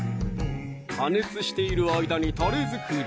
加熱している間にたれ作り！